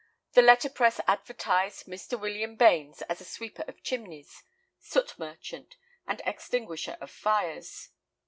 The letter press advertised Mr. William Bains as a sweeper of chimneys, soot merchant, and extinguisher of fires.